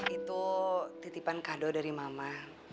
itu titipan kado dari mama